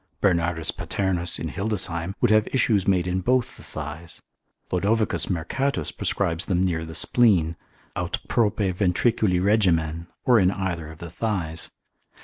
Bernardus Paternus in Hildesheim spicel 2. would have issues made in both the thighs; Lod. Mercatus prescribes them near the spleen, aut prope ventriculi regimen, or in either of the thighs.